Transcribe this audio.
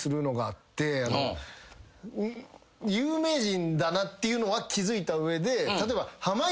有名人だなっていうのは気付いた上で例えば。